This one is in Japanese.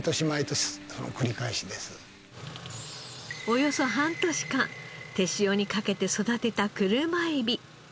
およそ半年間手塩にかけて育てた車エビ。